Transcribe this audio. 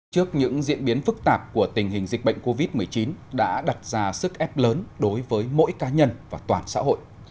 trước những diễn biến phức tạp của tình hình dịch bệnh covid một mươi chín đã đặt ra sức ép lớn đối với mỗi cá nhân và toàn xã hội